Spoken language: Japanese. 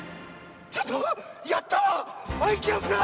ちょっとやったわ！